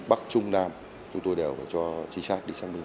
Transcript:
bắc trung nam chúng tôi đều phải cho chính xác đi xác minh